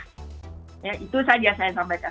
ya itu saja saya sampaikan